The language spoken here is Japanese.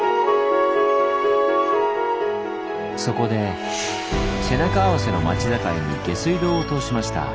そこで背中合わせの町境に下水道を通しました。